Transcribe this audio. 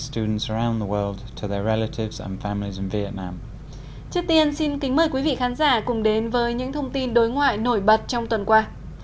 trước tiên xin kính mời quý vị khán giả cùng đến với những thông tin đối ngoại nổi bật trong tuần qua